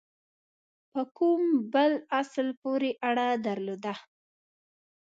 په کوم بل اصل پوري اړه درلوده.